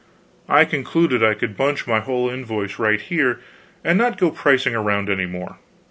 I concluded I would bunch my whole invoice right here, and not go pricing around any more.